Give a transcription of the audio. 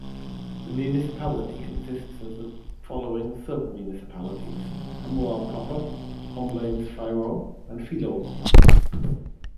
The municipality consists of the following sub-municipalities: Hamoir proper, Comblain-Fairon, and Filot.